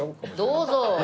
どうぞ！